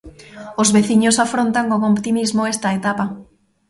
Os veciños afrontan con optimismo esta etapa.